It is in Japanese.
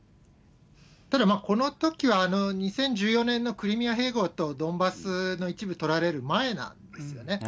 ただこのときは、２０１４年のクリミア併合とドンバスの一部取られる前なんですよね。